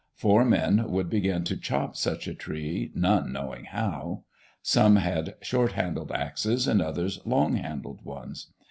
Four men would begin to chop such a tree, none knowing how. Some had short handled axes, and others long handled ones.